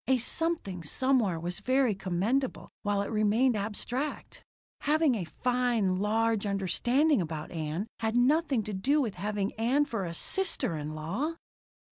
A something somewhere was very commendable while it remained abstract! Having a fine large understanding about Ann had nothing to do with having Ann for a sister in law!